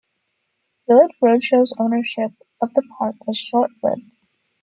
Village Roadshow's ownership of the park was short-lived.